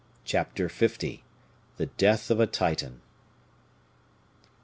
Chapter L: The Death of a Titan.